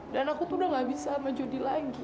dan aku tuh udah gak bisa sama jody lagi